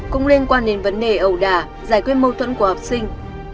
cũng liên quan đến vấn đề ẩu đà giải quyết mâu thuẫn của học sinh